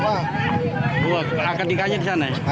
akad nikahnya di sana ya